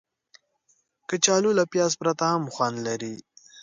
کچالو له پیاز پرته هم خوند لري